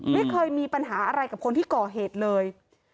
ไม่เคยมีปัญหาอะไรกับคนที่ก่อเหตุเลย